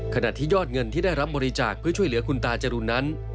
ขณะที่ยอดเงินที่ได้รับบริจาคเพื่อช่วยเหลือคุณตาจรูนนั้น